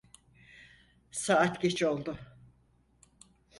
Saat geç oldu.